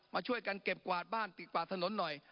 มาช่วยกันเก็บกวาดบ้านติดกวาดถนนหน่อย